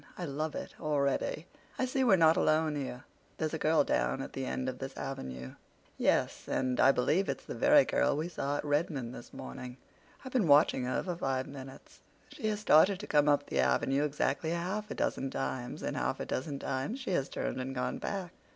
I love it already. I see we're not alone here—there's a girl down at the end of this avenue." "Yes, and I believe it's the very girl we saw at Redmond this morning. I've been watching her for five minutes. She has started to come up the avenue exactly half a dozen times, and half a dozen times has she turned and gone back.